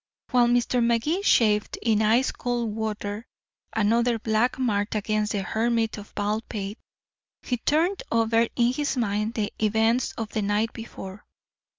While Mr. Magee shaved in ice cold water, another black mark against the Hermit of Baldpate he turned over in his mind the events of the night before.